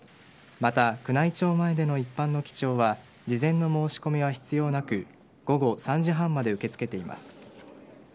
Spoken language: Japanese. また宮内庁前での一般の記帳は事前の申し込みは必要なく午後３時半まで受け付けています。